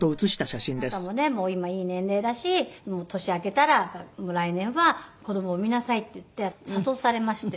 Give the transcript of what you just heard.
でそれで「あなたもねもう今いい年齢だし年明けたら来年は子供産みなさい」って言って諭されまして。